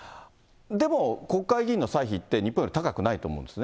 でも、国会議員の歳費って、日本より高くないと思うんですね。